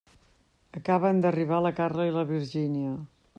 Acaben d'arribar la Carla i la Virgínia.